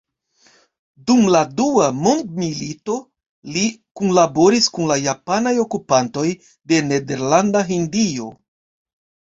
Dum la Dua mondmilito li kunlaboris kun la japanaj okupantoj de Nederlanda Hindio.